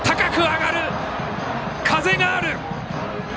風がある。